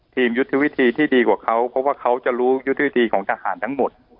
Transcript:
ยุทธวิธีที่ดีกว่าเขาเพราะว่าเขาจะรู้ยุทธวิธีของทหารทั้งหมด